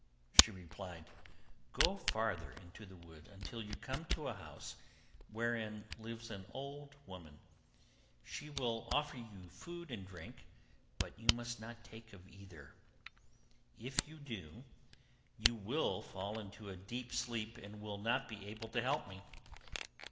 She replied, 'Go farther into the wood until you come to a house, wherein lives an old woman; she will offer you food and drink, but you must not take of either; if you do, you will fall into a deep sleep, and will not be able to help me.